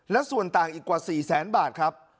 และส่วนต่างอีกกว่า๔แสนบาทครับ